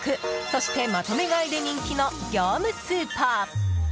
そして、まとめ買いで人気の、業務スーパー。